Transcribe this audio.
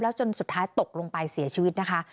จนสุดท้ายตกลงไปเสียชีวิตนะคะ